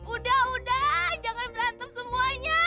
udah udah jangan berantem semuanya